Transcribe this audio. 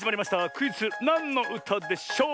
クイズ「なんのうたでしょう」！